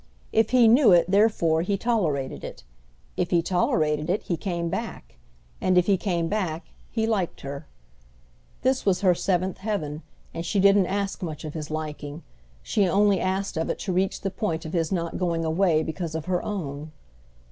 If he knew it therefore he tolerated it; if he tolerated it he came back; and if he came back he liked her. This was her seventh heaven; and she didn't ask much of his liking—she only asked of it to reach the point of his not going away because of her own.